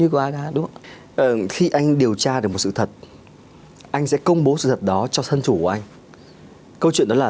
khi anh điều tra được một sự thật anh sẽ công bố sự thật đó cho thân chủ của anh câu chuyện đó là